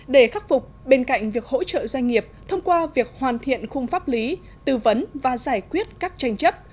để khắc phục bên cạnh việc hỗ trợ doanh nghiệp thông qua việc hoàn thiện khung pháp lý tư vấn và giải quyết các tranh chấp